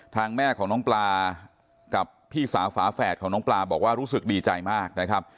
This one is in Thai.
แม่ของน้องปลากับพี่สาวฝาแฝดของน้องปลาบอกว่ารู้สึกดีใจมากนะครับ